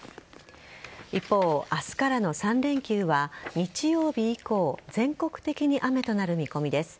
一方、明日からの３連休は日曜日以降全国的に雨となる見込みです。